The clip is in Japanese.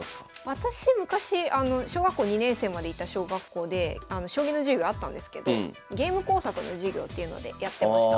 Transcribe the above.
私昔小学校２年生までいた小学校で将棋の授業あったんですけどゲーム工作の授業っていうのでやってました。